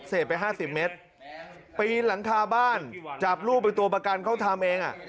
ไปห้าสิบเมตรปีนหลังคาบ้านจับลูกไปตัวประกันเขาทำเองอ่ะ